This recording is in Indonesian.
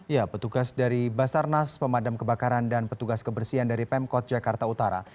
ya petugas dari basarnas pemadam kebakaran dan petugas kebersihan dari pemkot jakarta utara